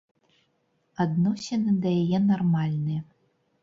Адносіны да яе нармальныя.